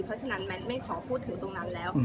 เพราะฉะนั้นแมทไม่ขอพูดถึงตรงนั้นแล้ว